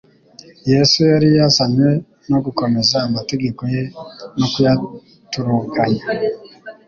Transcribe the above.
Yesu yari yazanywe no "gukomeza amategeko ye no kuyaturuganya."